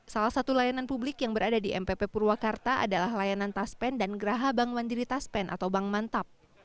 salah satu layanan publik yang berada di mpp purwakarta adalah layanan taspen dan geraha bank mandiri taspen atau bank mantap